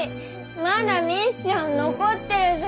まだミッション残ってるぞ。